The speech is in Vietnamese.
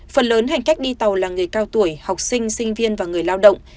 phần lớn hành khách đi tàu là người cao tuổi học sinh sinh viên và người lao động